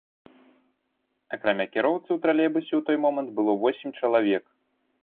Акрамя кіроўцы, у тралейбусе ў той момант было восем чалавек.